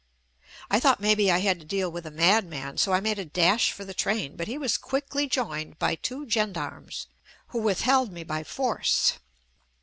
I thought maybe I had to deal with a madman, so I made a dash for the train, but he was quickly joined by two gendarmes, who withheld me by force.